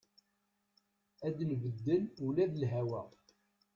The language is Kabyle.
Ad nbeddel ula d lhawa.